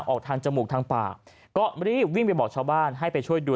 ออกทางจมูกทางปากก็รีบวิ่งไปบอกชาวบ้านให้ไปช่วยดู